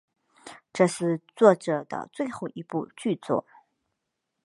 这是作者的最后一部剧作。